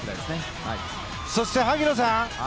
そして萩野さん